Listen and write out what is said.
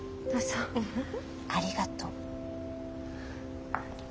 ありがとう。